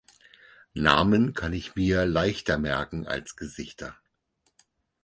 Namen kann ich mir leichter merken als Gesichter.